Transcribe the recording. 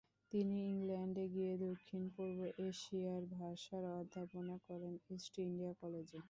তিনি ইংল্যান্ডে গিয়ে দক্ষিণ-পূর্ব এশিয়ার ভাষার অধ্যাপনা করেন ইস্ট ইন্ডিয়া কলেজে।